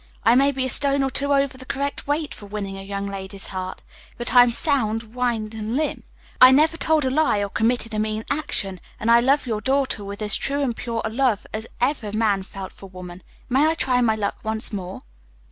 I may be a stone or two over the correct weight for winning a young lady's heart; but I'm sound, wind and limb. I never told a lie, or committed a mean action; and I love your daughter with as true and pure a love as ever man felt for woman. May I try my luck once more?"